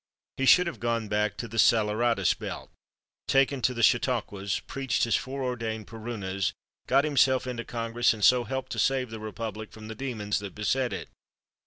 He should have gone back to the saleratus belt, taken to the chautauquas, preached his foreordained perunas, got himself into Congress, and so helped to save the republic from the demons that beset it.